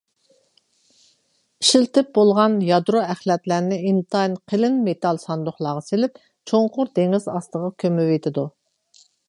ئىشلىتىپ بولغان يادرو ئەخلەتلىرىنى ئىنتايىن قېلىن مېتال ساندۇقلارغا سېلىپ چوڭقۇر دېڭىز ئاستىغا كۆمۈۋېتىدۇ.